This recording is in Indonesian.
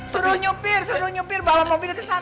suruh nyupir suruh nyupir bawa mobil ke sana